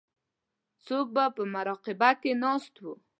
څوک په مراقبه کې ناست وو.